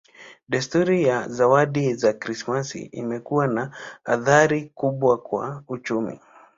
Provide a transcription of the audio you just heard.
Desturi ya zawadi za Krismasi imekuwa na athari kubwa kwa uchumi.